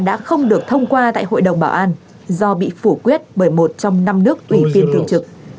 đã không được thông qua tại hội đồng bảo an do bị phủ quyết bởi một trong năm nước ủy viên thường trực